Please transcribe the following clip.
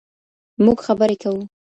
موږ خبرې کوو